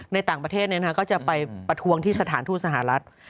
ในต่างประเทศก็จะไปประท้วงที่สถานทูตสหรัฐ